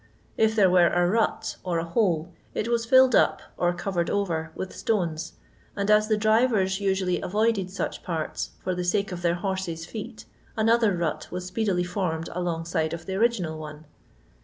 If there were a rut," or a hole, it was fiUed up cv covered over with stones, and as the drivoa uaoall^ avoided such parU, for the sake of their horses' feet, another rut was speedily formed alongside of the original <me.